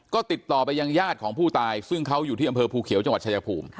ก็ติดต่อไปยังญาติของผู้ตายซึ่งเขาอยู่ที่อำเภอภูเขียวจังหวัดชายภูมิ